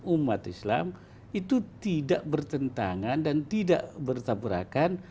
umat islam itu tidak bertentangan dan tidak bertabrakan